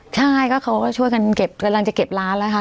ใช่ก็เขาก็ช่วยกันเก็บกำลังจะเก็บร้านแล้วค่ะ